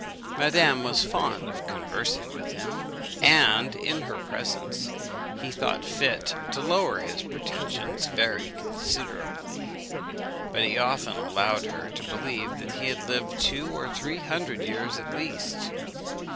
Madame was fond of conversing with him; and, in her presence, he thought fit to lower his pretensions very considerably; but he often allowed her to believe that he had lived two or three hundred years at least.